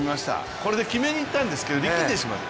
これで決めにいったんですけど力んでしまった。